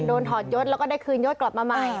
ถอดยศแล้วก็ได้คืนยดกลับมาใหม่